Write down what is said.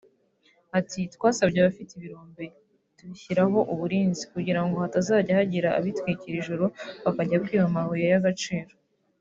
Ati ‘‘Twasabye abafite ibirombe kubishyiraho uburinzi kugira ngo hatazajya hagira abitwikira ijoro bakajya kwiba amabuye y’agaciro